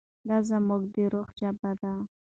دا زموږ د روح ژبه ده.